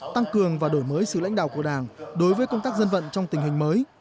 tăng cường và đổi mới sự lãnh đạo của đảng đối với công tác dân vận trong tình hình mới